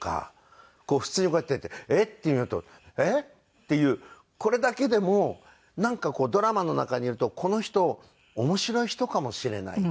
こう普通にこうやってやって「えっ？」って言うのと「えっ？」っていうこれだけでもなんかこうドラマの中にいるとこの人面白い人かもしれないっていう。